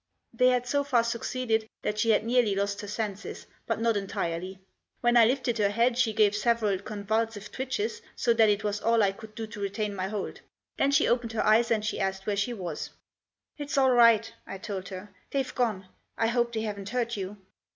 They had so far succeeded that she had nearly lost her senses, but not entirely. When I lifted her head she gave several convulsive twitches, so that it was all I could do to retain my hold. Then she opened her eyes and she asked where she was. «• It's all right," I told her. " They've gone. I hope they haven't hurt you."